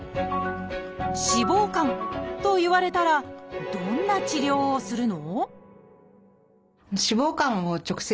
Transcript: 「脂肪肝」と言われたらどんな治療をするの？